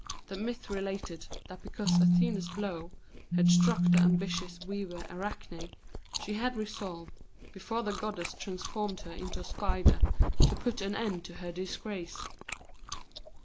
The myth related that because Athene's blow had struck the ambitious weaver Arachne, she had resolved, before the goddess transformed her into a spider, to put an end to her disgrace.